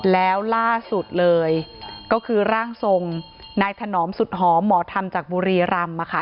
แล้วล่าสุดเลยก็คือร่างทรงนายถนอมสุดหอมหมอธรรมจากบุรีรำ